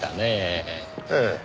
ええ。